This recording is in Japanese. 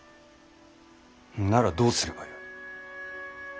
ならどうすればよい。